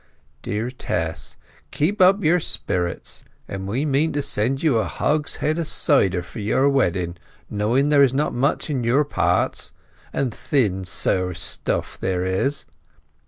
Dear Tess, keep up your Spirits, and we mean to send you a Hogshead of Cyder for you Wedding, knowing there is not much in your parts, and thin Sour Stuff what there is.